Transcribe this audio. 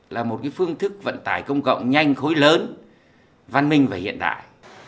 là một phương thức vận tải công cộng nhanh khối lớn văn minh và hiện đại